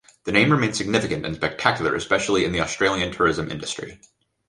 The name remains significant and spectacular especially in the Australian tourism industry.